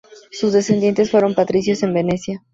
Sus descendientes fueron patricios en Venecia.